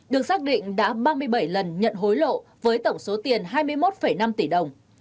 được xác định đã ba mươi bảy lần nhận hối lộ với tổng số tiền hai mươi một năm tỷ đồng